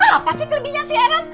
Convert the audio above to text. apa sih kelebihnya si eros